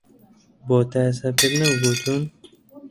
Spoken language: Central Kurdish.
بۆ تا ئێستا پێت نەگوتوون؟